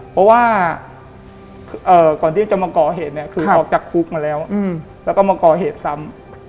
เพราะว่าก่อนที่จะมาก่อเหตุเนี่ยคือออกจากคุกมาแล้วแล้วก็มาก่อเหตุซ้ำ